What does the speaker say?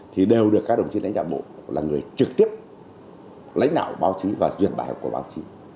thì đều được các đồng chí lãnh đạo bộ là người trực tiếp lãnh đạo báo chí và duyên bài của báo chí